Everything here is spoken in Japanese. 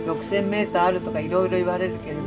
メーターあるとかいろいろ言われるけれどもね。